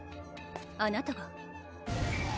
あなたが？